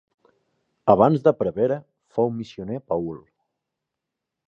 Abans que prevere fou missioner paül.